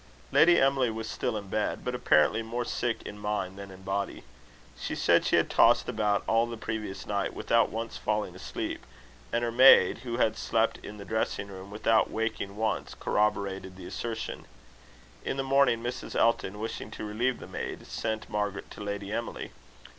Lady Emily was still in bed, but apparently more sick in mind than in body. She said she had tossed about all the previous night without once falling asleep; and her maid, who had slept in the dressing room without waking once, corroborated the assertion. In the morning, Mrs. Elton, wishing to relieve the maid, sent Margaret to Lady Emily.